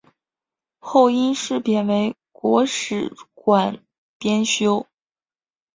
后因事贬为国史馆编修。